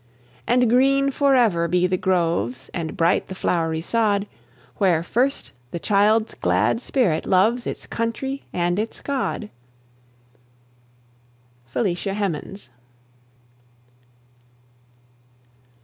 And green forever be the groves, And bright the flowery sod, Where first the child's glad spirit loves Its country and its God! FELICIA HEMANS.